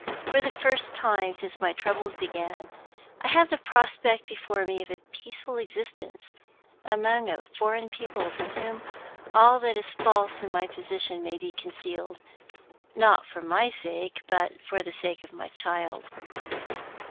For the first time since my troubles began, I have the prospect before me of a peaceful existence, among a foreign people from whom all that is false in my position may be concealed not for my sake, but for the sake of my child.